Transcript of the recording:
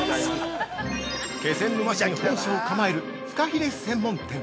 ◆気仙沼市に本社を構えるふかひれ専門店。